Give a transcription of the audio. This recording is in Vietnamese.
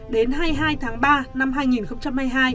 đến hai mươi hai tháng ba năm hai nghìn hai mươi hai